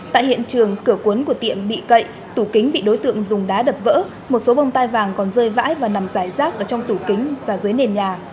tại hiện trường cửa cuốn của tiệm bị cậy tủ kính bị đối tượng dùng đá đập vỡ một số bông tai vàng còn rơi vãi và nằm giải rác ở trong tủ kính và dưới nền nhà